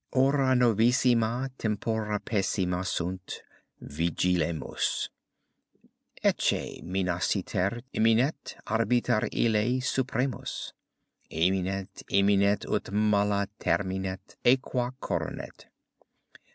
Hora novissima, tempora pessima sunt, vigilemus, Ecce minaciter imminet arbiter ille supremus Imminet, imminet ut mala terminet, aequa coronet.